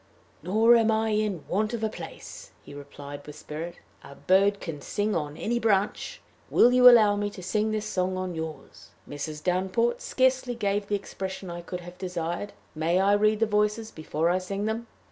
"Nor am I in want of a place," he replied, with spirit; "a bird can sing on any branch. Will you allow me to sing this song on yours? Mrs. Downport scarcely gave the expression I could have desired. May I read the voices before I sing them?"